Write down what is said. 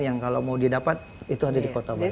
yang kalau mau didapat itu ada di kota bandung